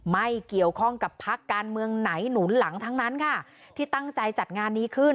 ไม่เกี่ยวข้องกับพักการเมืองไหนหนุนหลังทั้งนั้นค่ะที่ตั้งใจจัดงานนี้ขึ้น